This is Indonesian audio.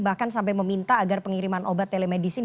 bahkan sampai meminta agar pengiriman obat telemedicine